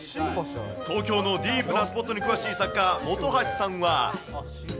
東京のディープなスポットに詳しい作家、本橋さんは。